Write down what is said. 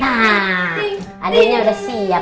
nah adeknya udah siap